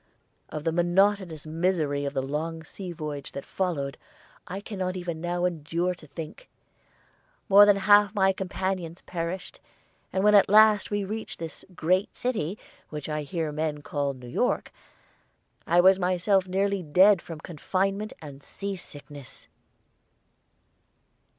Of the monotonous misery of the long sea voyage that followed I can not even now endure to think. More than half my companions perished; and when at last we reached this great city, which I hear men call New York, I myself was nearly dead from confinement and sea sickness.